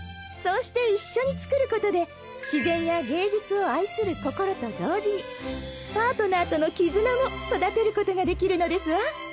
そうして一緒に作ることで自然や芸術を愛する心と同時にパートナーとの絆も育てることができるのですわ。